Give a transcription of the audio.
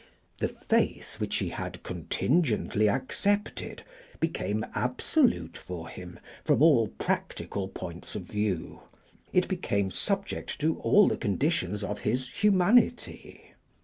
The faith which he had contingently accepted became absolute for him from all practical points of view; it became subject to all the conditions of his humanity.